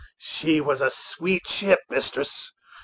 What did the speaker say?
she was a sweet ship, mistress!